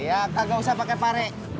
iya kagak usah pake pare